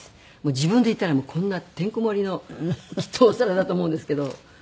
自分でやったらこんなてんこ盛りのきっとお皿だと思うんですけどだらしないですから。